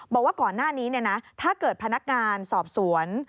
บอกว่าก่อนหน้านี้ถ้าเกิดพนักงานสอบสวน